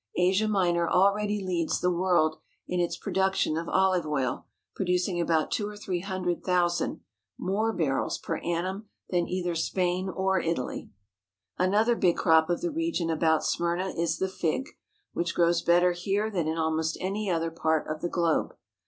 Asia Minor already leads the world in its production of olive oil, producing about two or three hundred thousand more barrels per annum than either Spain or Italy. Another important crop of the region about Smyrna is the fig, which grows better here than in almost any other part of the globe.